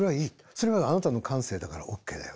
それはあなたの感性だからオーケーだよ。